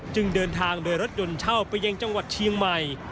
จึงเดินทางโดยรถยนต์เช่าไปยังจังหวัดเชียงใหม่